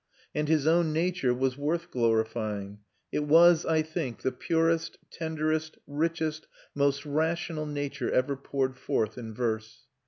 And his own nature was worth glorifying; it was, I think, the purest, tenderest, richest, most rational nature ever poured forth in verse.